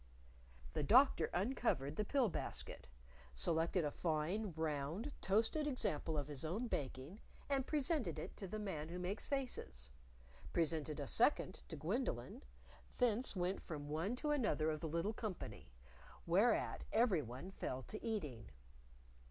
The Doctor uncovered the pill basket, selected a fine, round, toasted example of his own baking, and presented it to the Man Who Makes Faces; presented a second to Gwendolyn; thence went from one to another of the little company, whereat everyone fell to eating.